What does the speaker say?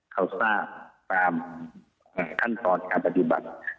เขาทราบเมื่อในขั้มข้อนการปฏิบัติ